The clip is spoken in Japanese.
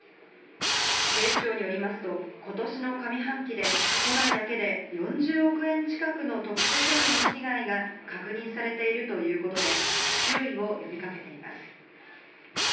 警視庁によりますと、ことしの上半期で、都内だけで４０億円近くの特殊詐欺の被害が確認されているということで、注意を呼びかけています。